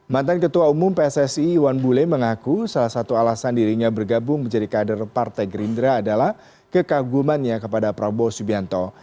mantan ketua umum pssi iwan bule mengaku salah satu alasan dirinya bergabung menjadi kader partai gerindra adalah kekagumannya kepada prabowo subianto